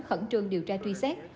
khẩn trương điều tra truy xét